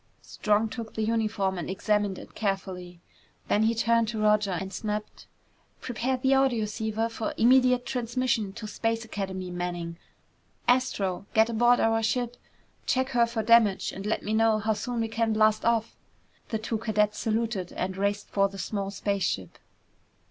Strong took the uniform and examined it carefully. Then he turned to Roger and snapped, "Prepare the audioceiver for immediate transmission to Space Academy, Manning. Astro! Get aboard our ship. Check her for damage and let me know how soon we can blast off!" The two cadets saluted and raced for the small spaceship.